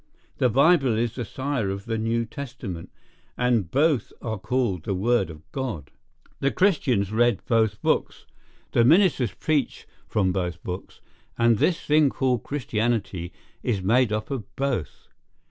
The Bible is the sire of the [New] Testament, and both are called the word of God. The Christians read both books; the ministers preach from both books; and this thing called Christianity is made up of both.